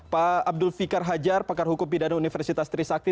pak abdul fikar hajar pakar hukum pidana universitas trisakti